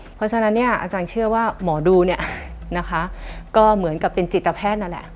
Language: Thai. เพราะฉะนั้นอาจารย์เชื่อว่าหมอดูก็เหมือนกับเป็นจิตแพทย์นั่นแหละ